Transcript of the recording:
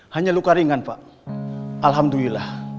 hanya luka ringan pak alhamdulillah